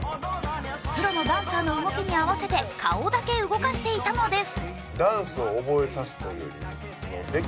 プロのダンサーの動きに合わせて顔だけ動かしていたのです。